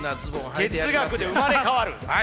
哲学で生まれ変わる！